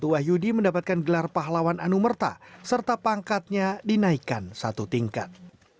wahyudi mendapatkan gelar pahlawan anumerta serta pangkatnya dinaikkan satu tingkat